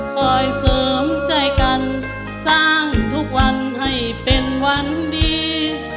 คอยเสริมใจกันสร้างทุกวันให้เป็นวันดี